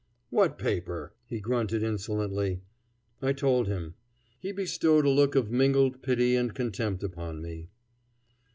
"What paper?" he grunted insolently. I told him. He bestowed a look of mingled pity and contempt upon me.